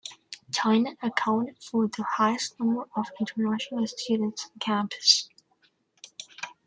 China accounted for the highest number of international students on campus.